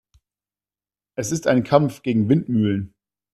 Es ist ein Kampf gegen Windmühlen.